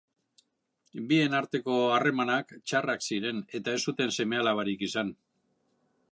Bien arteko harremanak txarrak ziren eta ez zuten seme-alabarik izan.